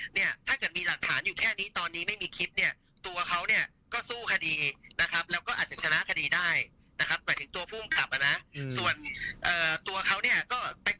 นี่ทนายเดชาร์เดี๋ยวฟังสองท่านปฏฐาคารม